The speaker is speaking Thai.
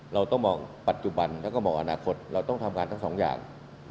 เราต้องมองปัจจุบันแล้วก็มองอนาคตเราต้องทำงานทั้งสองอย่าง